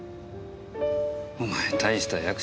お前大した役者だよ。